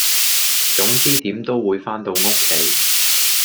總之點都會番到屋企